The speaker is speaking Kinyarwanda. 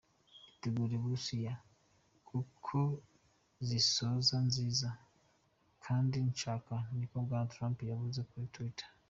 "Itegure Burusiya, kuko zizoza, nzinza kandi nshasha!" niko Bwana Trump yavuze kuri Twitter.